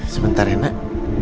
sebentar ya nak